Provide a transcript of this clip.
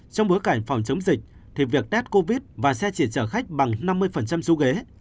trong bối cảnh phòng chống dịch thì việc test covid và xe chỉ chở khách bằng năm mươi số ghế